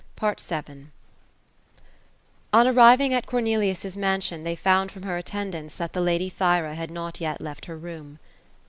254 OPHELIA ; On arriving at Cornelius's mansion, they found from her attendants, that the lady Thyra had not yet left her room.